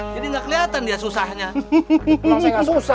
jadi nggak kelihatan dia susahnya